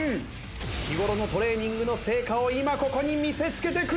日頃のトレーニングの成果を今ここに見せつけてくれ！